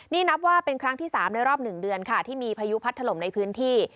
นี่นับว่าเป็นครั้งที่๓ในรอบ๑เดือนค่ะที่มีพายุพัดถล่มในพื้นที่